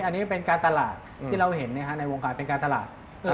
อันนี้เป็นการตลาดที่เราเห็นในวงการเป็นการตลาด